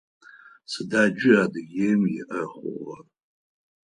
Сыда джы Адыгеим иӏэ хъугъэр?